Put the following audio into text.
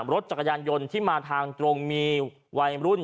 รถจักรยานยนต์ที่มาทางตรงมีวัยรุ่น